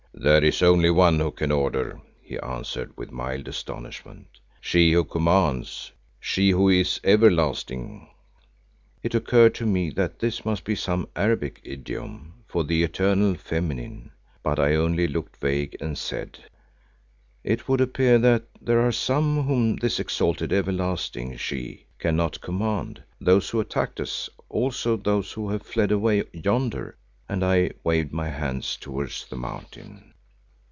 "There is only one who can order," he answered with mild astonishment. "'She who commands, She who is everlasting'!" It occurred to me that this must be some Arabic idiom for the Eternal Feminine, but I only looked vague and said, "It would appear that there are some whom this exalted everlasting She cannot command; those who attacked us; also those who have fled away yonder," and I waved my hand towards the mountain.